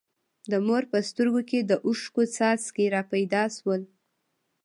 د مور په سترګو کې د اوښکو څاڅکي را پیدا شول.